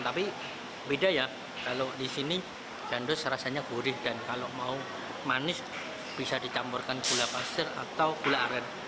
tapi beda ya kalau disini gandos rasanya gurih dan kalau mau manis bisa ditampurkan gula pasir atau gula aren